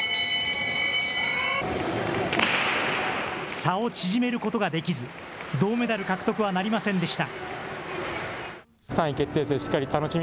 差を縮めることができず、銅メダル獲得はなりませんでした。